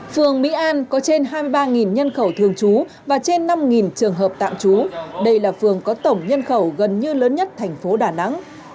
phường mỹ an có trên hai mươi ba nhân khẩu thường trú và trên năm trường hợp tạm trú đây là phường có tổng nhân khẩu gần như lớn nhất thành phố đà nẵng